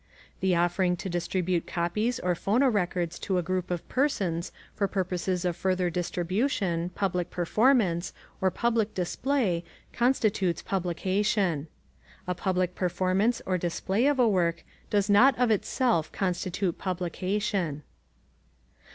The offering to distribute copies or phonorecords to a group of persons for purposes of further distribution, public performance, or public display constitutes publication. A public performance or display of a work does not of itself constitute publication.